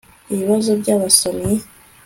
ibibazo by abasomyi